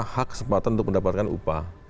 hak kesempatan untuk mendapatkan upah